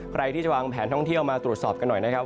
ใครที่จะวางแผนท่องเที่ยวมาตรวจสอบกันหน่อยนะครับ